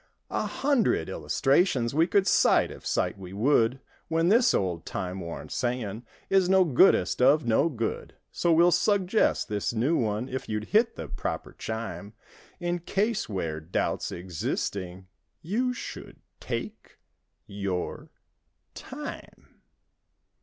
A hundred illustrations We could cite if cite we would. When this old time worn saying Is nogoodest of no good; So we'll suggest this new one: If you'd hit the proper chime; In case where doubt's existing— You—should—take—your—time.